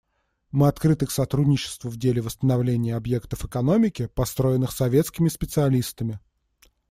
Мы открыты к сотрудничеству в деле восстановления объектов экономики, построенных советскими специалистами.